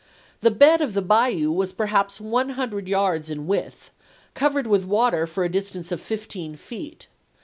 The bed of the bayou was perhaps one hundred yards in width, covered with water for a distance of fifteen feet.